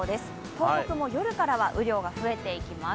東北も夜からは雨量が増えていきます。